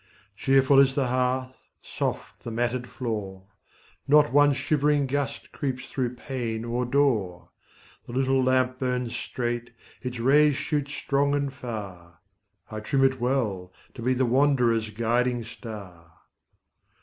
Cheerful is the hearth, soft the matted floor; Not one shivering gust creeps through pane or door; The little lamp burns straight, its rays shoot strong and far: I trim it well, to be the wanderer's guiding star.